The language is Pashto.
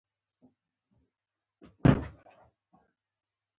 د قاعدو مرکز یې ملي ګټې دي.